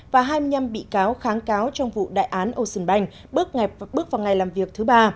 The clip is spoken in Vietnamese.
và hai mươi năm bị cáo kháng cáo trong vụ đại án ocean bank bước vào ngày làm việc thứ ba